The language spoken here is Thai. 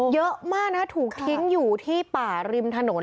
เยอะมากนะถูกทิ้งอยู่ที่ป่าริมถนน